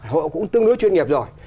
hộ cũng tương đối chuyên nghiệp rồi